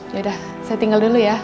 yaudah saya tinggal dulu ya